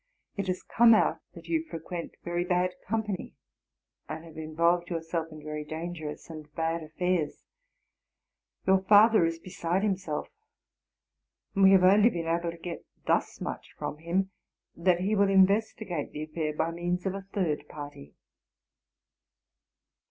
It has come out that you frequent very bad company, and have in volved yourself in very dangerous and bad affairs. You father is beside himself; and we have only been able to get thus much from him, that he will investigate the affair by means of a third party.